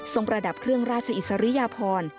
ทรงประดับเครื่องราชอิสริยภรรณ